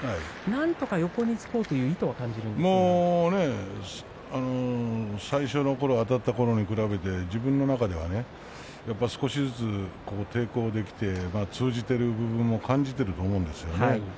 なんとか横につこうという意図は最初のころはあたったところに比べて自分の中では少しずつ抵抗できて通じている部分を感じていると思うんですよね。